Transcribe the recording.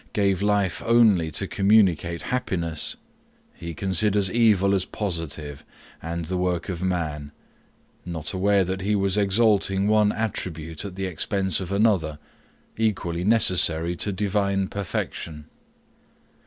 gave life only to communicate happiness, he considers evil as positive, and the work of man; not aware that he was exalting one attribute at the expense of another, equally necessary to divine perfection.